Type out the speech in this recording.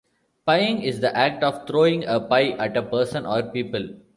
Pieing is the act of throwing a pie at a person or people.